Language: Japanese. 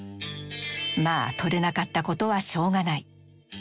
「まあ撮れなかったことはしょうがない」。